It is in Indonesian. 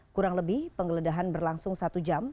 kurang lebih penggeledahan berlangsung satu jam